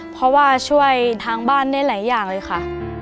เพราะว่าช่วยทางบ้านได้หลายอย่างเลยค่ะ